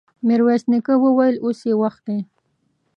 ميرويس نيکه وويل: اوس يې وخت دی!